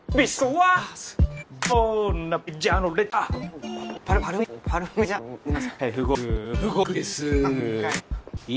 はい？